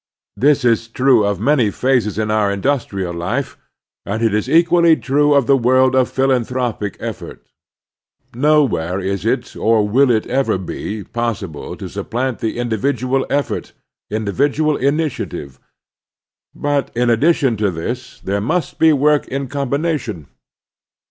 This is true of many phases in our industrial life, and it is equally true of the world of philanthropic effort. Nowhere is it, or will it ever be, possible to supplant individual effort, indi vidual initiative; but in addition to this there must be work in combination.